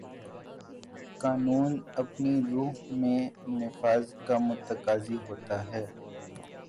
قانون اپنی روح میں نفاذ کا متقاضی ہوتا ہے